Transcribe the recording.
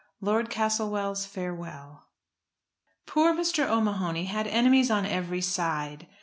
LORD CASTLEWELL'S FAREWELL. Poor Mr. O'Mahony had enemies on every side.